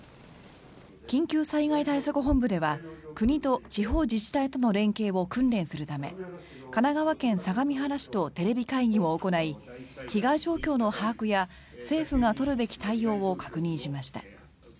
緊急災害対策本部では国と地方自治体との連携を訓練するため神奈川県相模原市とテレビ会議を行い被害状況の把握や政府が取るべき対応を確認しました。